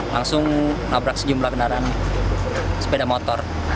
langsung nabrak sejumlah kendaraan sepeda motor